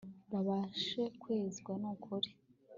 babashe kwezwa n'ukuri